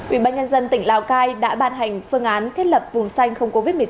ubnd tỉnh lào cai đã ban hành phương án thiết lập vùng xanh không covid một mươi chín